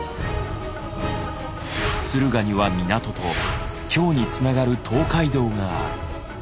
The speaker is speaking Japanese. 駿河には港と京につながる東海道がある。